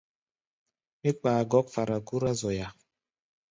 Mí kpaa gɔ́k fara gúrá zoya.